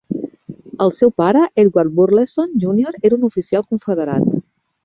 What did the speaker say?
El seu pare, Edward Burleson júnior era un oficial confederat.